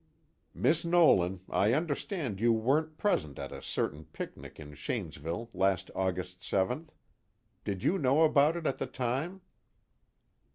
_ "Miss Nolan, I understand you weren't present at a certain picnic in Shanesville last August 7th. Did you know about it at the time?"